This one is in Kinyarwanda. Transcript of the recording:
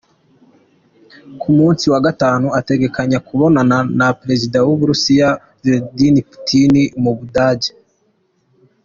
Ku munsi wa gatanu, ategekanya kubonana na Prezida w'Uburusiya , Vladimir Putin, mu Budagi.